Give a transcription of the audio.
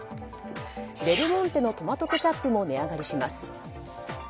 デルモンテのトマトケチャップも値上がりします。